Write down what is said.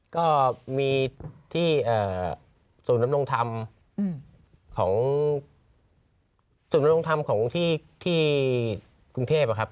ก็มีที่ส่วนน้ำลงทำของส่วนน้ำลงทำของที่กรุงเทพอะครับ